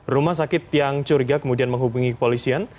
rumah sakit yang curiga kemudian menghubungi kepolisian